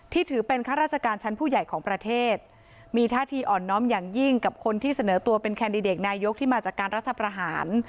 ถือเป็นข้าราชการชั้นผู้ใหญ่ของประเทศมีท่าทีอ่อนน้อมอย่างยิ่งกับคนที่เสนอตัวเป็นแคนดิเดตนายกที่มาจากการรัฐประหาร